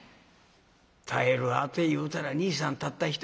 頼る当ていうたら兄さんたった一人。